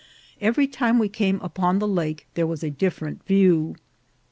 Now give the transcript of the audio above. Every time we came upon the lake there was a different view.